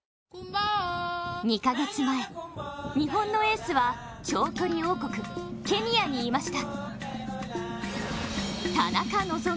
２か月前、日本のエースは長距離王国ケニアにいました。